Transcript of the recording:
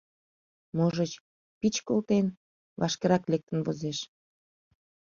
Можыч, пич колтен, вашкерак лектын возеш...